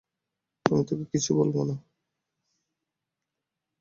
আমি তোকে কিছুই বলবো না, কুত্তি।